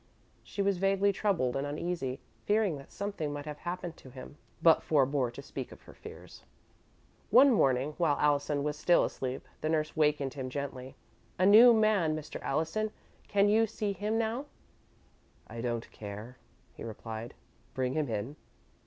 She was vaguely troubled and uneasy, fearing that something might have happened to him, but forebore to speak of her fears. One morning, while Allison was still asleep, the nurse wakened him gently. "A new man, Mr. Allison; can you see him now?" "I don't care," he replied. "Bring him in."